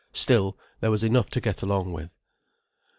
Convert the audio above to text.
Still, there was enough to get along with.